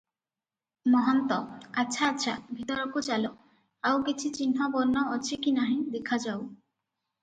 ମହନ୍ତ- ଆଚ୍ଛା ଆଚ୍ଛା, ଭିତରକୁ ଚାଲ, ଆଉ କିଛି ଚିହ୍ନ ବର୍ଣ୍ଣ ଅଛି କି ନାହିଁ, ଦେଖାଯାଉ ।